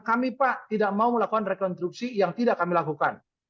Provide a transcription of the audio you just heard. kami pak tidak mau melakukan rekonstruksi yang tidak kami lakukan